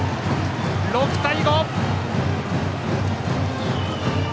６対５！